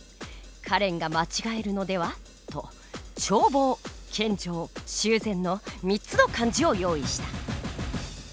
「カレンが間違えるのでは？」と「眺望」「献上」「修繕」の３つの漢字を用意した。